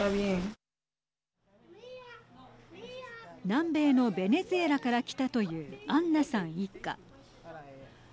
南米のベネズエラから来たというアンナさん一家。